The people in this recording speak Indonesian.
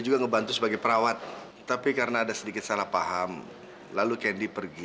juga ngebantu sebagai perawat tapi karena ada sedikit salah paham lalu kendi pergi